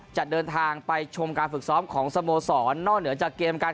จะเดินทางไปชมการฝึกซ้อมของสโมสรนอกเหนือจากเกมการ